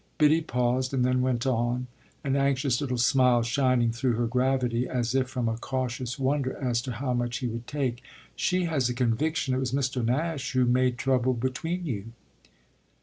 Biddy paused and then went on, an anxious little smile shining through her gravity as if from a cautious wonder as to how much he would take: "She has a conviction it was Mr. Nash who made trouble between you."